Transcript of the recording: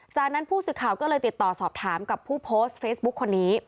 จากนั้นผู้สื่อข่าวก็เลยติดต่อสอบถามกับผู้โพสต์เฟซบุ๊คคนนี้